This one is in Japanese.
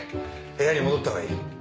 部屋に戻ったほうがいい。